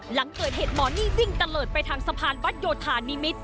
หลังเกิดเหตุหมอนี่วิ่งตะเลิศไปทางสะพานวัดโยธานิมิตร